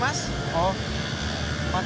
makasih ya pak